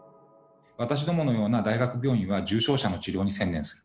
私どものような大学病院は重症者の治療に専念する。